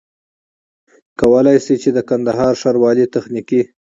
کولای سي چي د کندهار ښاروالۍ تخنيکي